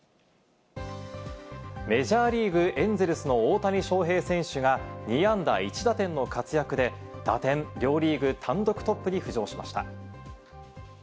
メジャーリーグ・エンゼルスの大谷翔平選手が、２安打１打点の活躍で打点、両リーグ単独トップに浮上しました。